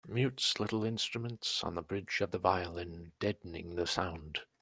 Mutes little instruments on the bridge of the violin, deadening the sound.